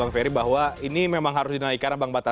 terima kasih sudah kembali